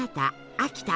秋田